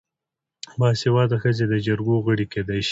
باسواده ښځې د جرګو غړې کیدی شي.